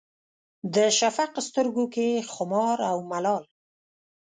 د شفق سترګو کې خمار او ملال